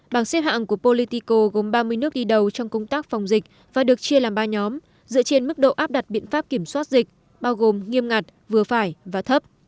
bảng xếp hạng của politico gồm ba mươi nước đi đầu trong công tác phòng dịch và được chia làm ba nhóm dựa trên mức độ áp đặt biện pháp kiểm soát dịch bao gồm nghiêm ngặt vừa phải và thấp